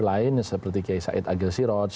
lain seperti kiai said agil siroj